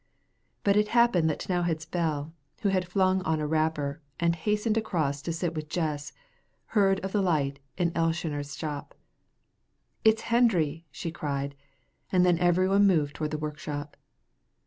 But it happened that T'nowhead's Bell, who had flung on a wrapper, and hastened across to sit with Jess, heard of the light in Elshioner's shop. "It's Hendry," she cried; and then every one moved toward the workshop.